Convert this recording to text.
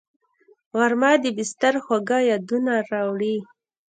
غرمه د بستر خواږه یادونه راوړي